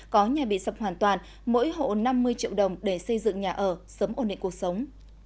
có nhà bị sập hoàn toàn mỗi hộ năm mươi triệu đồng để xây dựng nhà ở sớm ổn định cuộc sống